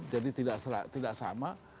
jadi tidak sama